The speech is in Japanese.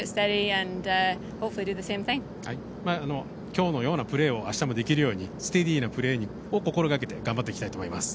◆きょうのようなプレーをあしたもできるように、ステディなプレーを心がけて頑張っていきたいと思います。